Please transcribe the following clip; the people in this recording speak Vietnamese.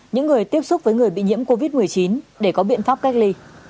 những người tiếp xúc với người bị nhiễm covid một mươi chín để có biện pháp cách ly